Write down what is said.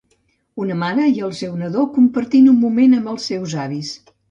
Una mare i el seu nadó compartint un moment amb els seus avis.